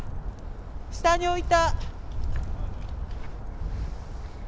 下に置いた。